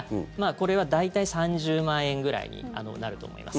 これは大体３０万円ぐらいになると思います。